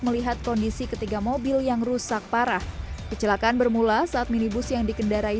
melihat kondisi ketiga mobil yang rusak parah kecelakaan bermula saat minibus yang dikendarai